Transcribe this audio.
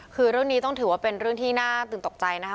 คือเรื่องนี้ต้องถือว่าเป็นเรื่องที่น่าตื่นตกใจนะคะ